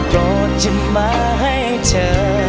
รอจะมาให้เจอ